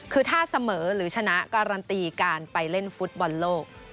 คือถ้าเสมอหรือชนะการันตีการไปเล่นฟุตบอลโลก